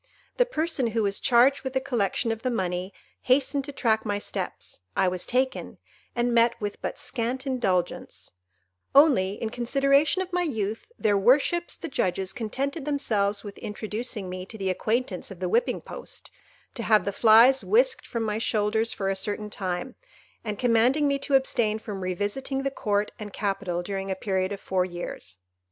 The person who was charged with the collection of the money, hastened to track my steps; I was taken, and met with but scant indulgence; only, in consideration of my youth, their worships the judges contented themselves with introducing me to the acquaintance of the whipping post, to have the flies whisked from my shoulders for a certain time, and commanding me to abstain from revisiting the Court and Capital during a period of four years.